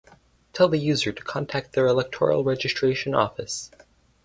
Tell the user to contact their electoral registration office.